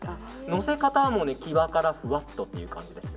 のせ方は際からふわっとという感じです。